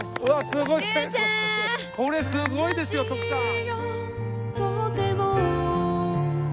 これすごいですよ徳さん！